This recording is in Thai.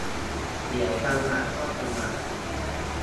เดี๋ยวจังหวะก็จะมา